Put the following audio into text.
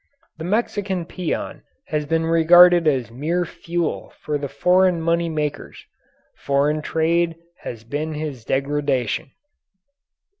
The Mexican peon has been regarded as mere fuel for the foreign money makers. Foreign trade has been his degradation.